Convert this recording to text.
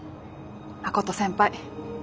真琴先輩。